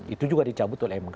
itu juga dicabut oleh mk